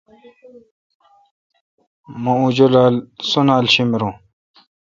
مہ اوں جولال سُونالا شیمروں۔